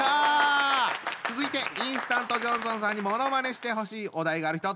続いてインスタントジョンソンさんにものまねしてほしいお題がある人。